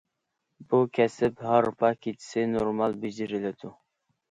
بۇ كەسىپ ھارپا كېچىسى نورمال بېجىرىلىدۇ!